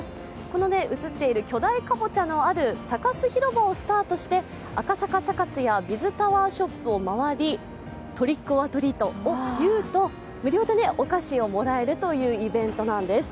この映っている巨大かぼちゃのあるサカス広場をスタートして赤坂サカスやＢｉｚタワーショップ回りトリック・オア・トリートを言うと無料でお菓子をもらえるというイベントなんです。